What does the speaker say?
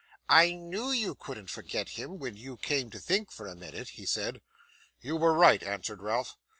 'I knew you couldn't forget him, when you came to think for a moment,' he said. 'You were right,' answered Ralph.